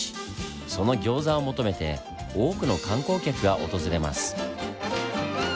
そのギョーザを求めて多くの観光客が訪れます。